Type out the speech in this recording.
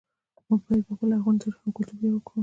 موږ باید په خپل لرغوني تاریخ او کلتور ویاړ وکړو